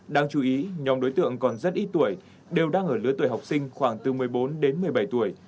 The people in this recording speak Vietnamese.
đáng chú ý nhóm đối tượng còn rất ít tuổi đều đang ở lứa tuổi học sinh khoảng từ một mươi bốn đến một mươi bảy tuổi